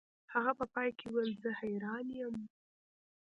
هغه په پای کې وویل زه حیران یم